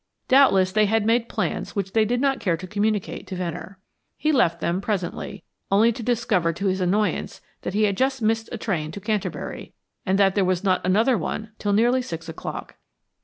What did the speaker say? Doubtless they had made plans which they did not care to communicate to Venner. He left them presently, only to discover to his annoyance that he had just missed a train to Canterbury, and that there was not another one till nearly six o'clock.